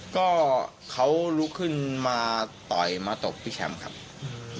ก็เขาลุกขึ้นมาต่อยมาตบพี่แชมป์ครับ